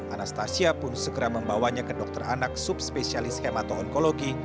anastasia pun segera membawanya ke dokter anak subspesialis hematoonkologi